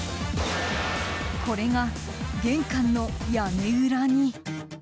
これが玄関の屋根裏に。